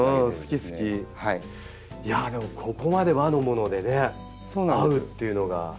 でもここまで和のものでね合うっていうのが。